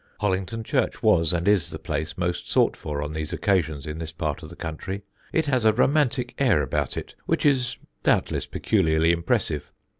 Hollington Church was and is the place most sought for on these occasions in this part of the country; it has a romantic air about it which is doubtless peculiarly impressive.